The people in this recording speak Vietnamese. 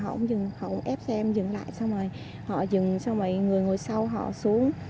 họ cũng dừng họ ép xe em dừng lại xong rồi họ dừng xong rồi người ngồi sau họ xuống